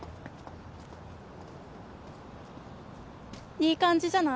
いい感じじゃない？